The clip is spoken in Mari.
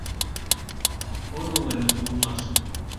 — Ороленыт улмаш.